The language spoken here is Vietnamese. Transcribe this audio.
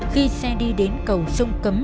khi xe đi đến cầu sông cấm